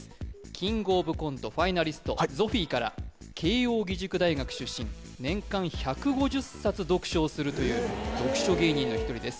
「キングオブコント」ファイナリストゾフィーから慶應義塾大学出身年間１５０冊読書をするという読書芸人の一人です